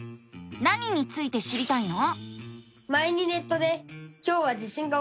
何について知りたいの？